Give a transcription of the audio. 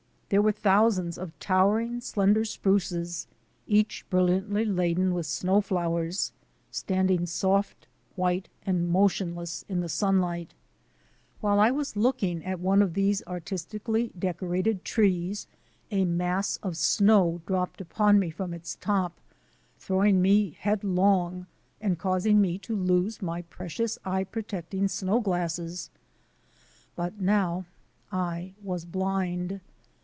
There were thousands of towering, slender spruces, each brilliantly laden with snow flowers, standing soft, white, and motionless in the sunlight SNOW BLINDED ON THE SUMMIT $ While I was looking at one of these artistically decorated trees, a mass of snow dropped upon me from its top, throwing me headlong and causing me to lose my precious eye protecting snow gla But now I was blind.